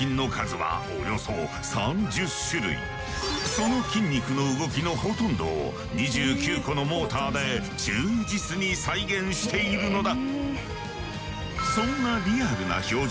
その筋肉の動きのほとんどを２９個のモーターで忠実に再現しているのだ。